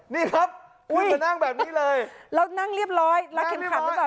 นี่ครับอุ้ยมานั่งแบบนี้เลยแล้วนั่งเรียบร้อยรัดเข็มขัดหรือเปล่า